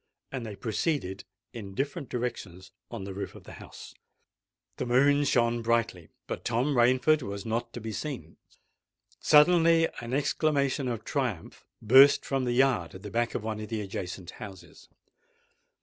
And they proceeded in different directions on the roof of the house. The moon shone brightly, but Thomas Rainford was not to be seen. Suddenly an exclamation of triumph burst from the yard at the back of one of the adjacent houses.